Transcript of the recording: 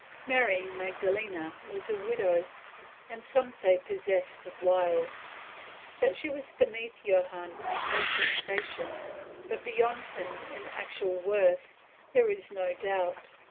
Mary Magdalena was a widow, and some say possessed of wiles. That she was beneath Johann in social station, but beyond him in actual worth, there is no doubt.